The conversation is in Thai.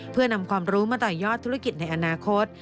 เพื่อนำความรู้มาต่อยอดธุรกิจในอนาคต